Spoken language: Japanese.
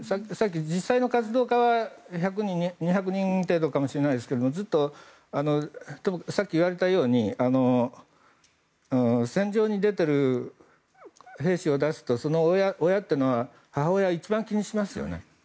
さっき、実際の活動家は１００人、２００人程度かもしれないですがさっき言われたように戦場に出ている兵士を出すとその親は母親が一番気にしますよね。